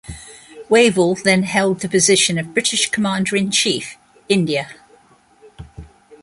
Wavell then held the position of British Commander-in-Chief, India.